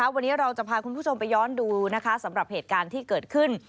วันนี้เราจะพาคุณผู้ชมไปย้อนดูสำหรับเหตุการณ์ที่เกิดขึ้น